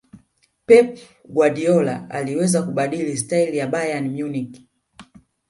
pep guardiola aliweza kubadili staili ya bayern munich